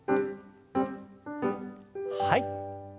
はい。